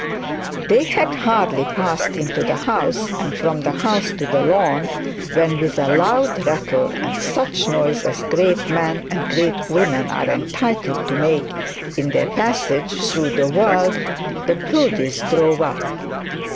They had hardly passed into the house, and from the house to the lawn, when, with a loud rattle and such noise as great men and great woman are entitled to make in their passage through the world, the Proudies drove up.